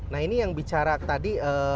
nah ini yang bicara tadi